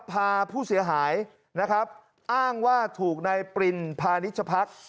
พาผู้เสียหายนะครับอ้างว่าถูกนายปรินพานิชพัก